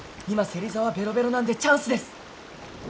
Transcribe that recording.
今芹沢ベロベロなんでチャンスです！